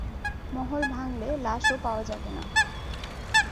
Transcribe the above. মহল ভাঙলে, লাশও পাওয়া যাবে না।